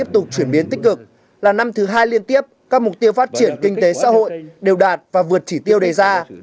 tiếp tục chuyển biến tích cực là năm thứ hai liên tiếp các mục tiêu phát triển kinh tế xã hội đều đạt và vượt chỉ tiêu đề ra